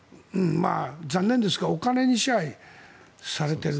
残念ですがお金に支配されている。